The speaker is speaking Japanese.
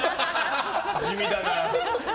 地味だな。